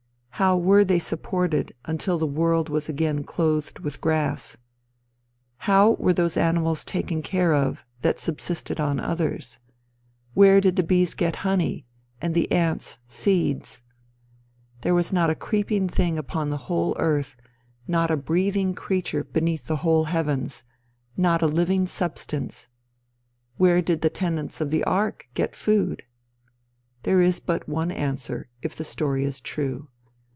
How were they supported until the world was again clothed with grass? How were those animals taken care of that subsisted on others? Where did the bees get honey, and the ants seeds? There was not a creeping thing upon the whole earth; not a breathing creature beneath the whole heavens; not a living substance. Where did the tenants of the ark get food? There is but one answer, if the story is true.